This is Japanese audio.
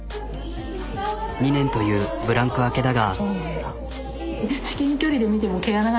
２年というブランク明けだが。